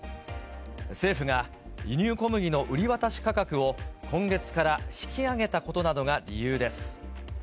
政府が輸入小麦の売り渡し価格を今月から引き上げたことなどが理由です。